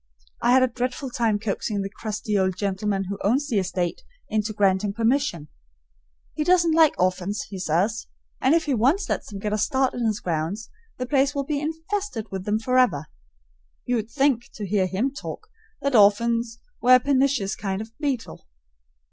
I had a dreadful time coaxing the crusty old gentleman who owns the estate into granting permission. He doesn't like orphans, he says, and if he once lets them get a start in his grounds, the place will be infested with them forever. You would think, to hear him talk, that orphans were a pernicious kind of beetle.